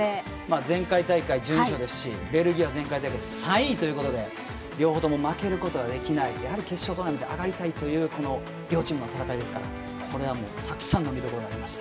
前回大会準優勝ですしベルギーは３位ということで両方とも負けることができない決勝トーナメントに上がりたいという両チームの戦いですからこれはもうたくさんの見どころがありました。